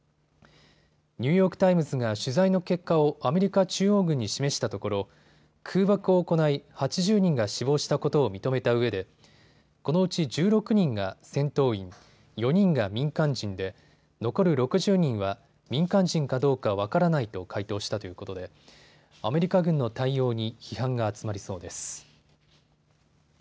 ニューヨーク・タイムズが取材の結果をアメリカ中央軍に示したところ空爆を行い８０人が死亡したことを認めたうえでこのうち１６人が戦闘員、４人が民間人で残る６０人は民間人かどうか分からないと回答したということでアメリカ軍の対応に批判が集まりそうです。